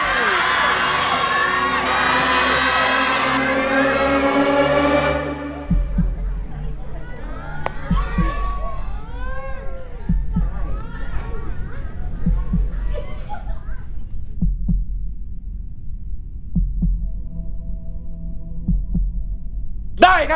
เพลงที่๒นะครับ